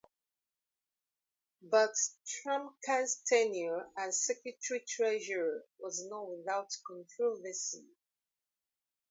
But Trumka's tenure as Secretary-Treasurer was not without controversy.